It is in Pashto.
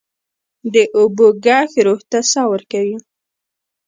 د اوبو ږغ روح ته ساه ورکوي.